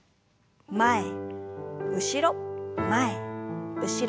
前後ろ前後ろ。